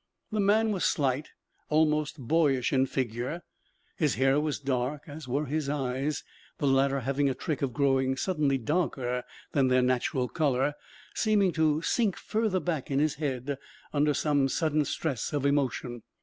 The man was slight, almost boyish in figure. His hair was dark, as were his eyes, the latter having a trick of growing suddenly darker than their natural color, seeming to sink further back in his head under some sudden stress of emotion.